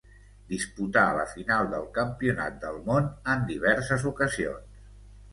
Disputà la final del campionat del món en diverses ocasions.